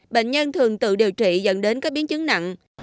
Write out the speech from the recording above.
bệnh nhân thường tự điều trị dẫn đến các biến chứng nặng